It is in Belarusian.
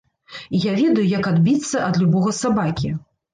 І я ведаю, як адбіцца ад любога сабакі.